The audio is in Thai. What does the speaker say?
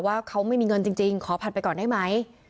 ว่าเขาไม่มีเงินจริงขอผัดไปก่อนได้ไหม